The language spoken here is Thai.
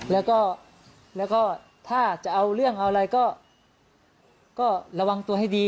แล้วก็ถ้าจะเอาเรื่องเอาอะไรก็ระวังตัวให้ดี